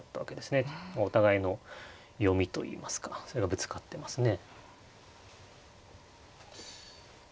互いの読みといいますかそれがぶつかってますね。